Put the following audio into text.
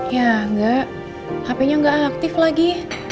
ya enggak hp nya nggak aktif lagi